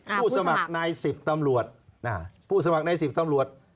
อ่าผู้สมัครผู้สมัครในสิบตำรวจอ่าผู้สมัครในสิบตำรวจ